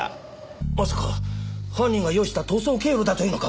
まさか犯人が用意した逃走経路だというのか？